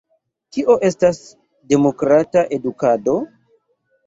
Kio estas Demokrata Edukado?